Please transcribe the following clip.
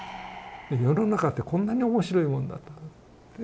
世の中ってこんなに面白いもんだったかな。